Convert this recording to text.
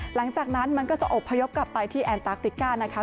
หลังจากนั้นมันก็จะอบพยพกลับไปที่แอนตาร์คติก้านะคะ